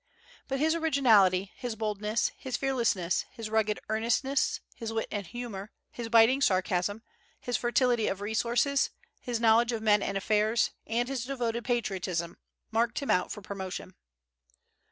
But his originality, his boldness, his fearlessness, his rugged earnestness, his wit and humor, his biting sarcasm, his fertility of resources, his knowledge of men and affairs, and his devoted patriotism, marked him out for promotion.